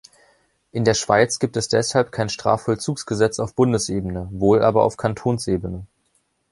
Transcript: In der Schweiz gibt es deshalb kein Strafvollzugsgesetz auf Bundesebene, wohl aber auf Kantonsebene.